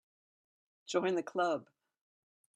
Join the Club.